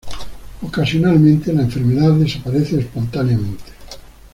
Ocasionalmente, la enfermedad desaparece espontáneamente.